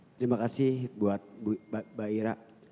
terima kasih buat mbak ira